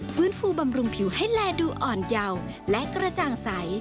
ฟื้นฟูบำรุงผิวให้แลดูอ่อนเยาว์และกระจ่างใส